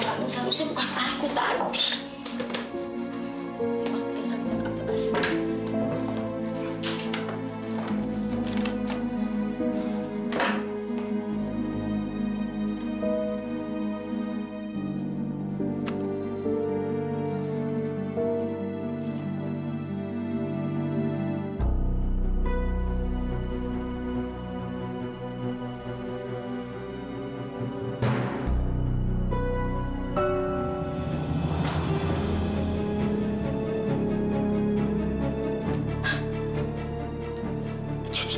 sampai jumpa di video selanjutnya